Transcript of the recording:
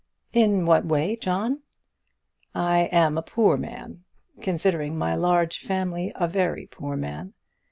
"In what way, John?" "I am a poor man; considering my large family, a very poor man.